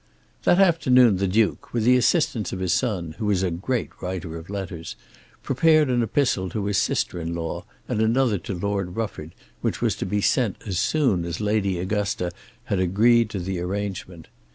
That afternoon the Duke, with the assistance of his son, who was a great writer of letters, prepared an epistle to his sister in law and another to Lord Rufford, which was to be sent as soon as Lady Augusta had agreed to the arrangement.